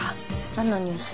何のニュース？